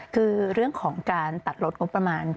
คือเรื่องของการตัดลดงบประมาณกระโหมเนี่ย